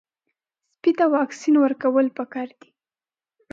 سپي ته واکسین ورکول پکار دي.